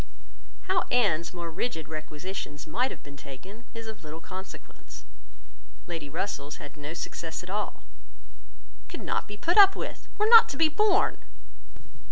How Anne's more rigid requisitions might have been taken is of little consequence. Lady Russell's had no success at all: could not be put up with, were not to be borne.